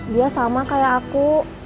dia sama kayak aku